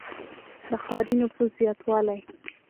• د ښاري نفوس زیاتوالی.